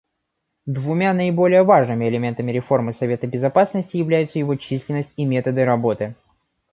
Двумя наиболее важными элементами реформы Совета Безопасности являются его численность и методы работы.